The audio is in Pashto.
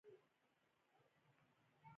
هلمند سیند د افغان ځوانانو لپاره دلچسپي لري.